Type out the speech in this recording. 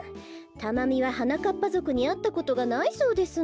タマミははなかっぱぞくにあったことがないそうですの。